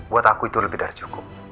buat aku itu lebih dari cukup